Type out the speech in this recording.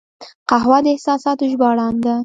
قهوه د احساساتو ژباړن ده